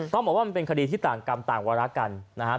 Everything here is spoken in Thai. ต้องบอกว่ามันเป็นคดีที่ต่างกรรมต่างวาระกันนะครับ